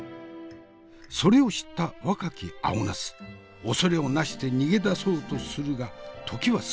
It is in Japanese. それを知った若き青ナス恐れをなして逃げ出そうとするが時は既に遅し。